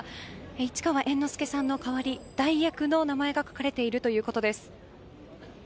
市川猿之助さんの代わり代役の名前が書かれているということです。